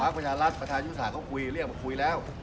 ประชารัฐประชายุทธศาสตร์เขาคุยเรียกมาคุยแล้ว